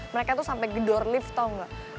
mereka tuh sampai gedor lift tau gak